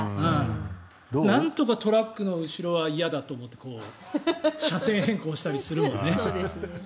なんとかトラックの後ろは嫌だと思って車線変更したりするもんね。